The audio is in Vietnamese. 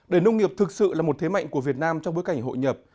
để nông nghiệp thực sự là một thế mạnh của việt nam trong bối cảnh hội nhập